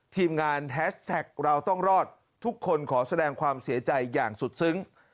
ทีมงานแฮสแท็กเราต้องรอดทุกคนขอแสดงความเสียใจอย่างสุดซึ้ง